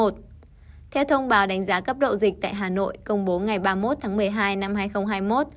theo thông báo đánh giá cấp độ dịch tại hà nội công bố ngày ba mươi một tháng một mươi hai năm hai nghìn hai mươi một